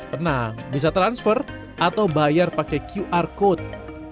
tenang bisa transfer atau bayar pakai qr code